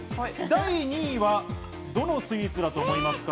第２位はどのスイーツだと思いますか？